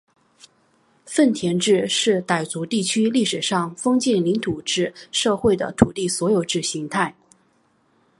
份田制是傣族地区历史上封建领主制社会的土地所有制形态。